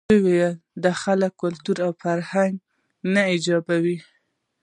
وایې د خلکو کلتور او فرهنګ یې نه ایجابوي.